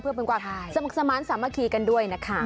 เพื่อเป็นกว่าสมัครสามัคคีกันด้วยนะคะ